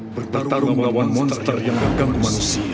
bertarung melawan monster yang gagal manusia